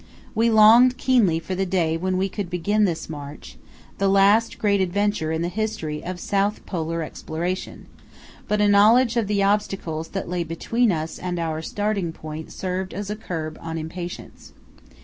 We longed keenly for the day when we could begin this march, the last great adventure in the history of South Polar exploration, but a knowledge of the obstacles that lay between us and our starting point served as a curb on impatience.